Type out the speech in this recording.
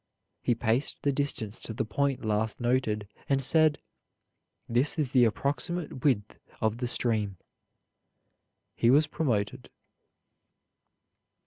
He paced the distance to the point last noted, and said: "This is the approximate width of the stream." He was promoted.